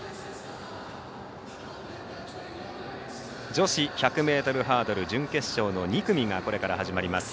女子１００ｍハードル準決勝の２組がこれから始まります。